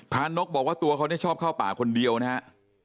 นกบอกว่าตัวเขาชอบเข้าป่าคนเดียวนะฮะ